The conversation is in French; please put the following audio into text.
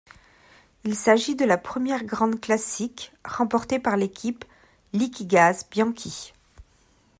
Il s'agit de la première grande classique remportée par l'équipe Liquigas-Bianchi.